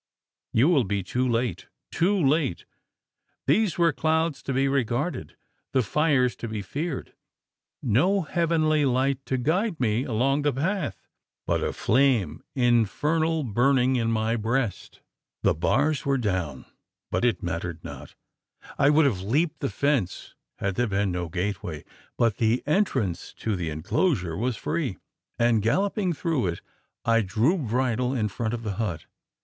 You will be too late too late!" These were clouds to be regarded the fires to be feared. No heavenly light to guide me along the path, but a flame infernal burning in my breast? The bars were down, but it mattered not: I would have leaped the fence, had there been no gateway; but the entrance to the enclosure was free; and, galloping through it, I drew bridle in front of the hut.